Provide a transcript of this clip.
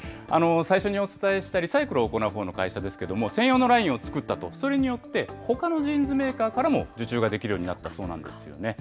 最初にお伝えしたリサイクルを行うほうの会社ですけども、専用のラインを作ったと、それによって、ほかのジーンズメーカーからも受注ができるようになったそうなんですよね。